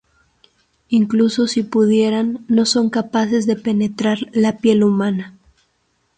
Incluso si pudieran, no son capaces de penetrar la piel humana.